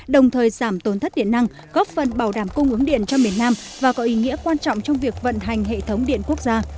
đồng thời giảm tốn thất điện năng góp phần bảo đảm cung ứng điện cho miền nam và có ý nghĩa quan trọng trong việc vận hành hệ thống điện quốc gia